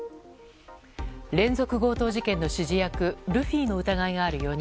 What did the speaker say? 連続強盗事件の指示役ルフィの疑いがある４人。